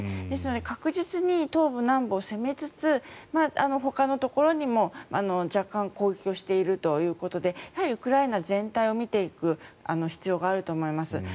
ですので確実に東部、南部を攻めつつほかのところにも若干攻撃をしているということでやはりウクライナ全体を見ていく必要があると思います。